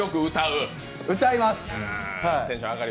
歌います。